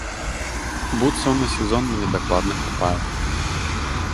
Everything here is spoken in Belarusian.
Бутсаў на сезон мне дакладна хапае.